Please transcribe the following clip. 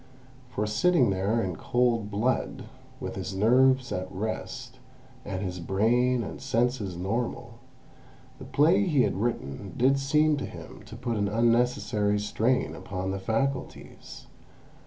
For sitting there in cold blood, with his nerves at rest, and his brain and senses normal, the play he had written did seem to him to put an unnecessary strain upon the faculties.